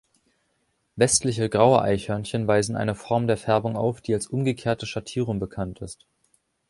Westliche graue Eichhörnchen weisen eine Form der Färbung auf, die als umgekehrte Schattierung bekannt ist.